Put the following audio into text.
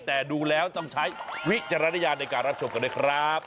แต่ดูแล้วต้องใช้วิจารณญาณในการรับชมกันด้วยครับ